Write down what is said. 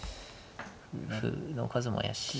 歩の数も怪しい。